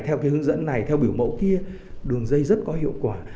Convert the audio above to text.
theo cái hướng dẫn này theo biểu mẫu kia đường dây rất có hiệu quả